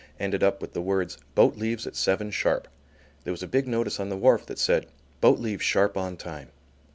ended up with the words: "Boat leaves at seven sharp." There was a big notice on the wharf that said: "Boat leaves sharp on time."